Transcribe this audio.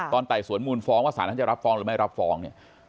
ไต่สวนมูลฟ้องว่าสารท่านจะรับฟ้องหรือไม่รับฟ้องเนี่ย